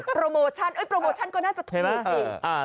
โปรโมชั่นโปรโมชั่นก็น่าจะถูกนะ